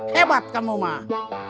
hebat kamu mah